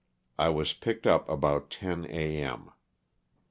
I was picked up about ten a. m.